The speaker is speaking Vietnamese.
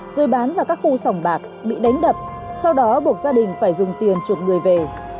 rồi bán vào các khu sòng bạc bị đánh đập sau đó buộc gia đình phải dùng tiền chuộc người về